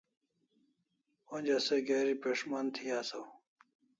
Onja se geri pes'man thi asaw